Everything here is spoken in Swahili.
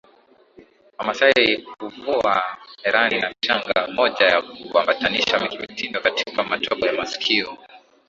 wamasai huvaa hereni na shanga moja ya kuambatanisha kimtindo katika matobo ya masikio